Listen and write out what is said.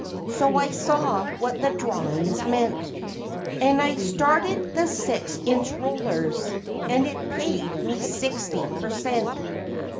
So I saw what the drawings meant, And I started the six inch rollers, and it paid me sixty per cent.